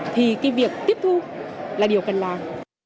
thì cái việc tiếp thu là điều cần làm